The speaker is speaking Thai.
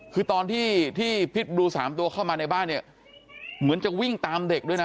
คือตอนที่ที่พิษบลู๓ตัวเข้ามาในบ้านเนี่ยเหมือนจะวิ่งตามเด็กด้วยนะ